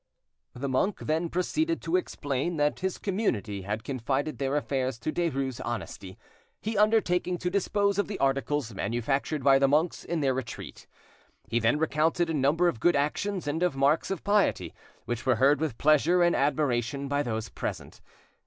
The monk then proceeded to explain that his community had confided their affairs to Derues' honesty, he undertaking to dispose of the articles manufactured by the monks in their retreat. He then recounted a number of good actions and of marks of piety, which were heard with pleasure and admiration by those present.